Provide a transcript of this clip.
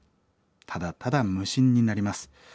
ただただ無心になります。